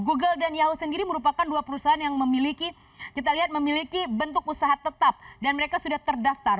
google dan yahoo sendiri merupakan dua perusahaan yang memiliki kita lihat memiliki bentuk usaha tetap dan mereka sudah terdaftar